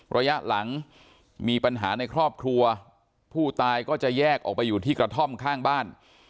ระยะหลังมีปัญหาในครอบครัวผู้ตายก็จะแยกออกไปอยู่ที่กระท่อมข้างบ้าน